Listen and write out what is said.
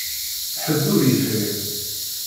Ḥedd ur yefhim.